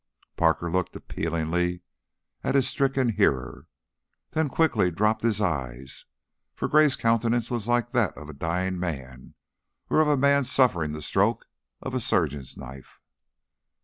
Parker looked appealingly at his stricken hearer, then quickly dropped his eyes, for Gray's countenance was like that of a dying man or of a man suffering the stroke of a surgeon's knife.